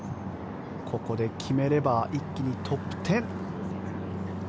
ここで決めれば一気にトップ１０。